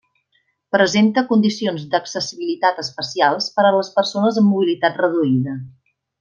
Presenta condicions d'accessibilitat especials per a les persones amb mobilitat reduïda.